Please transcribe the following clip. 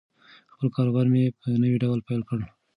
خپل کاروبار مې په نوي ډول پیل کړ.